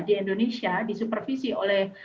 di indonesia disupervisi oleh